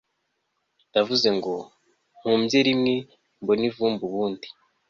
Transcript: ndavuze ngo mpubye rimwe mbone ivumbi ubundi